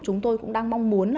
chúng tôi cũng đang mong muốn